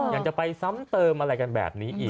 ยังจะไปซ้ำเติมอะไรกันแบบนี้อีก